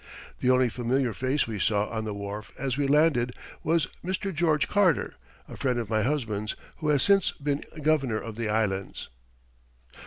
The only familiar face we saw on the wharf as we landed was Mr. George Carter, a friend of my husband's, who has since been Governor of the Islands.